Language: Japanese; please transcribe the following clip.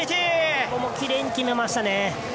きれいに決めましたね。